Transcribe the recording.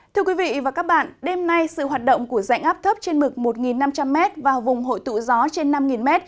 thưa quý vị và các bạn đêm nay sự hoạt động của dạnh áp thấp trên mực một năm trăm linh m và vùng hội tụ gió trên năm m